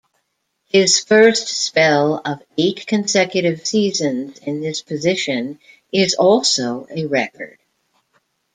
His first spell of eight consecutive seasons in this position is also a record.